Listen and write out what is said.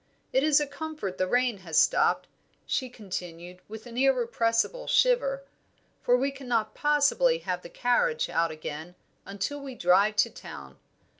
"It is a comfort the rain has stopped," she continued, with an irrepressible shiver, "for we cannot possibly have the carriage out again, until we drive to town.